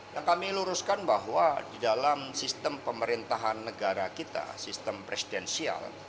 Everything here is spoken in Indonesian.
yang kami luruskan bahwa di dalam sistem pemerintahan negara kita sistem presidensial